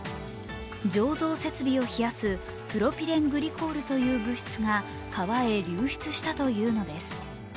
醸造設備を冷やすプロピレングリコールという物質が川へ流出したというのです。